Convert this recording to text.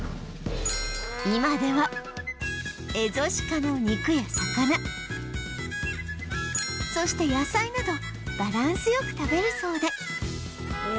今ではエゾシカの肉や魚そして野菜などバランス良く食べるそうで